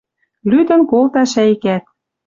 Лӱдӹн колта шӓйӹкӓт: